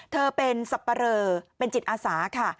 เธอเป็นสับปะเรอเป็นจิตอาสาค่ะ